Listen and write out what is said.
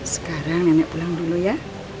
sekarang nenek pulang dulu ya